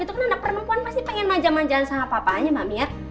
karena anak perempuan pasti pengen maja majaan sama bapaknya kan